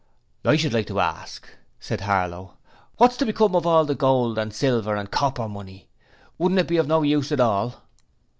'I should like to ask,' said Harlow, 'wot's to become of all the gold and silver and copper money? Wouldn't it be of no use at all?'